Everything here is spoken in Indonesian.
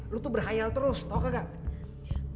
lu tuh berhayal terus tau gak